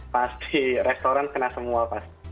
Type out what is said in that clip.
pasti restoran kena semua pasti